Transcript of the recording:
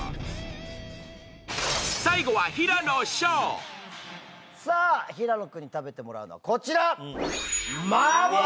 最後はさぁ平野君に食べてもらうのはこちら！